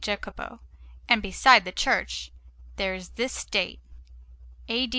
Jacopo and beside the church, there is this date: A.D.